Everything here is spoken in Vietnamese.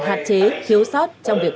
hạt chế thiếu sót trong việc